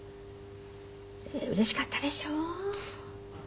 うれしかったでしょう？